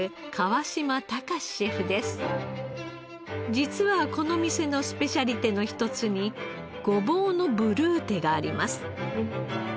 実はこの店のスペシャリテの一つにごぼうのヴルーテがあります。